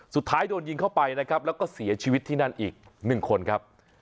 สุดท้ายโดนยิงเข้าไปนะครับแล้วก็เสียชีวิตที่นั่นอีกหนึ่งคนครับ